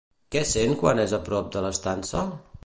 Què sent quan és a prop de l'estança?